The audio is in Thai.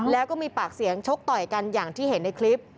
แล้วก็มีปากเสียงชกต่อยกันอย่างที่เห็นในคลิป